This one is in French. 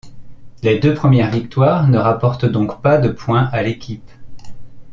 Les deux premières victoires ne rapportent donc pas de points à l'équipe.